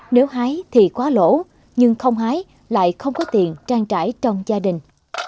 nếu hái thì quá lỗ nhưng không hái lại không có tiền trang trải trong gia đình